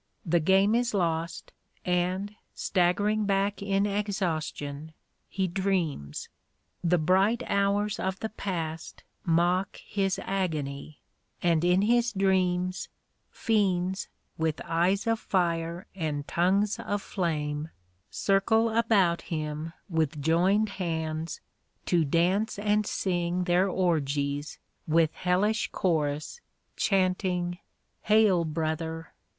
The game is lost, and, staggering back in exhaustion, he dreams. The bright hours of the past mock his agony, and in his dreams, fiends, with eyes of fire and tongues of flame, circle about him with joined hands, to dance and sing their orgies with hellish chorus, chanting "Hail! brother!"